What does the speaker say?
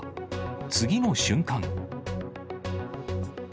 次の瞬間。